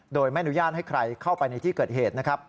โดยไม่อนุญาตให้ใครเข้าไปในที่เกิดเหตุนะครับ